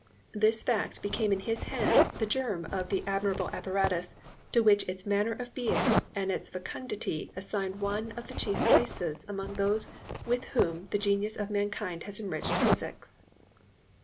This fact became in his hands the germ of the admirable apparatus to which its manner of being and its fecundity assign one of the chief places among those with which the genius of mankind has enriched physics."